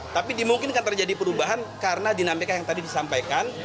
tapi dimungkinkan terjadi perubahan karena dinamika yang tadi disampaikan